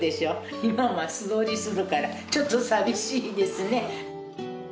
今は素通りするから、ちょっと寂しいですね。